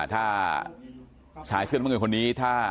ถ้าชายเสื้อน้ำเงินคนนี้ถ้า